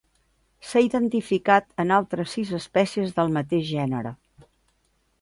S'ha identificat en altres sis espècies del mateix gènere.